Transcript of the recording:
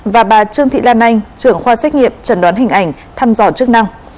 và bà trương thị lan anh trưởng khoa xét nghiệm trần đoán hình ảnh thăm dò chức năng